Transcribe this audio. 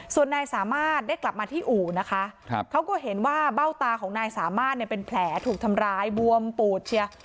ส่วนนายสามารถได้กลับมาที่อู่นะคะเขาก็เห็นว่าเบ้าตาของนายสามารถเนี่ยเป็นแผลถูกทำร้ายบวมปูดเชียร์